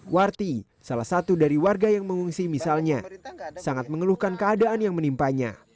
warti salah satu dari warga yang mengungsi misalnya sangat mengeluhkan keadaan yang menimpanya